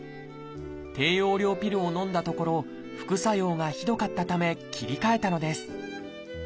低用量ピルをのんだところ副作用がひどかったため切り替えたのです。